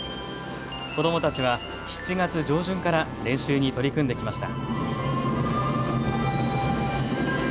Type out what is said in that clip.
子どもたちは７月上旬から練習に取り組んできました。